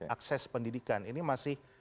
akses pendidikan ini masih